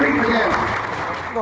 make indonesia great again